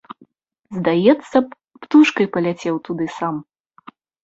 Здаецца б, птушкай паляцеў туды сам.